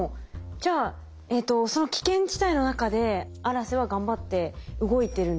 じゃあえとその危険地帯の中で「あらせ」は頑張って動いてるんですね。